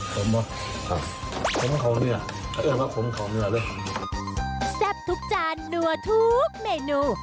ขอมมากครับขอมมากครับขอมมากครับแซ่บทุกจานนััวทุกเมนู